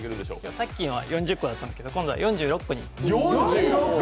さっきの４０個だったんですけど、今度は４６個に。